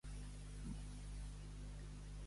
Treure a ús de la seva.